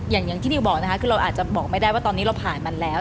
อย่างที่นิวบอกนะคะคือเราอาจจะบอกไม่ได้ว่าตอนนี้เราผ่านมันแล้ว